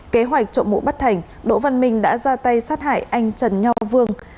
kế hoạch trộm mũ bắt thành đỗ văn minh đã ra tay sát hại anh trần nho vương